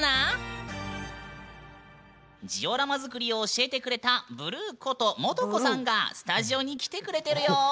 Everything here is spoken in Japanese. ジオラマ作りを教えてくれたブルーこともとこさんがスタジオに来てくれてるよ！